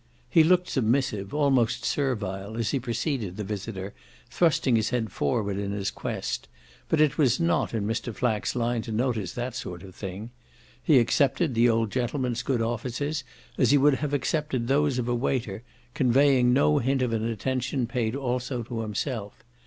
He looked submissive, almost servile, as he preceded the visitor, thrusting his head forward in his quest; but it was not in Mr. Flack's line to notice that sort of thing. He accepted the old gentleman's good offices as he would have accepted those of a waiter, conveying no hint of an attention paid also to himself.